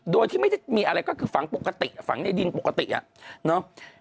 โดยที่ไม่ได้มีอะไรก็คือฝังปกติฝังในดินปกติอะเนาะ